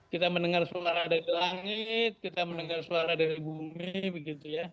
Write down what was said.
kita mendengar suara dari langit kita mendengar suara dari bumi begitu ya